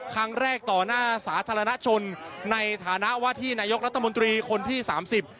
ครั้งแรกต่อหน้าสาธารณชนในฐานะว่าที่นายกรัฐมนตรีคนที่สามสิบ